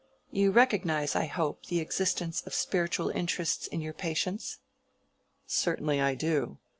You recognize, I hope; the existence of spiritual interests in your patients?" "Certainly I do.